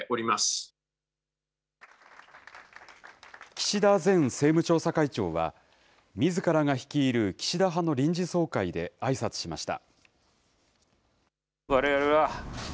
岸田前政務調査会長は、みずからが率いる岸田派の臨時総会であいさつしました。